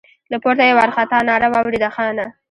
له پورته يې وارخطا ناره واورېده: خانه!